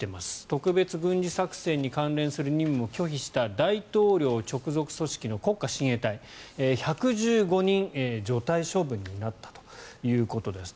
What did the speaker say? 特別軍事作戦に関連する任務を拒否した大統領直属組織の国家親衛隊１１５人除隊処分になったということです。